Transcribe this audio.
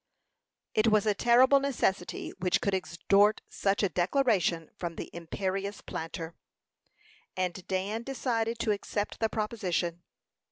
It was a terrible necessity which could extort such a declaration from the imperious planter, and Dan decided to accept the proposition.